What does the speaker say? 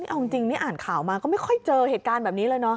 เอาจริงนี่อ่านข่าวมาก็ไม่ค่อยเจอเหตุการณ์แบบนี้เลยเนาะ